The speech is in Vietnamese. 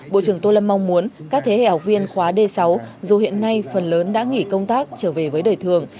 bộ trưởng tô lâm mong muốn các thế hệ học viên khóa d sáu dù hiện nay phần lớn đã nghỉ công tác trở về với đời thường